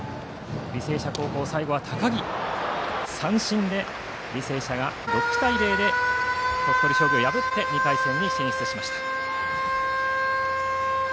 履正社高校最後は高木、三振で履正社が６対０で鳥取商業を破って２回戦進出です。